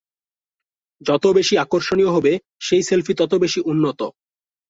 যত বেশি আকর্ষণীয় হবে সেই সেলফি তত বেশি উন্নত।